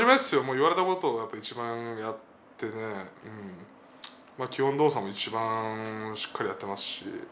言われたことをいちばんやっていって基本動作もいちばんしっかりやっていますしね。